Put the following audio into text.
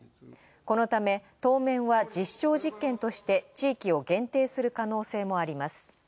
このため、当面は実証実験として地域を限定する可能性もあります。